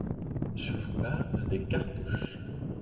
Je vous parle des cartouches.